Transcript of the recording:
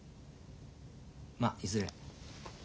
まあいずれ。